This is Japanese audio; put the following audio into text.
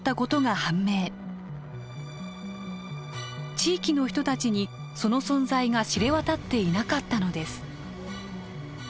地域の人たちにその存在が知れ渡っていなかったのです。